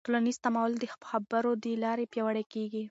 ټولنیز تعامل د خبرو له لارې پیاوړی کېږي.